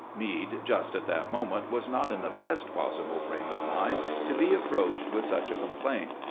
Meade just at that moment was not in the best possible frame of mind to be approached with such a complaint.